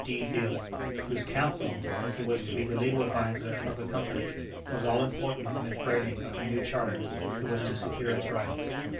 D. Field, whose counsel, as he was to be the legal adviser of the Company, was all important in the framing of the new charter that was to secure its rights.